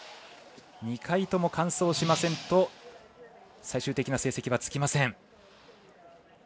２回とも完走しませんと最終的な成績はつきません。